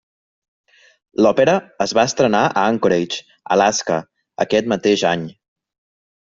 L'òpera es va estrenar a Anchorage, Alaska, aquest mateix any.